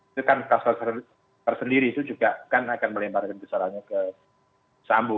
itu kan kluster tersendiri itu juga akan melemparkan kesalahannya ke asambu